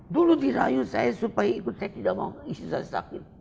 dulu dirayu saya supaya ikut saya tidak mau istri saya sakit